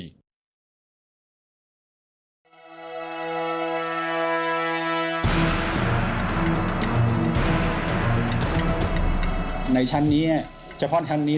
สนับสนุนโดยเอกลักษณ์ใหม่ในแบบที่เป็นคุณโอลี่คัมรี่